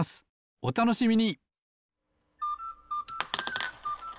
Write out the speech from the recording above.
おたのしみに！